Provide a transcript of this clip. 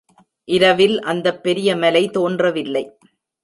இரவில் அந்தப் பெரிய மலை தோன்றவில்லை.